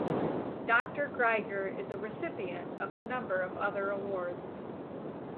Doctor Grygar is a recipient of a number of other awards.